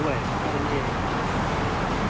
มันก็ยังอยากถามว่าทำไมต้องเป็นลูกของด้วย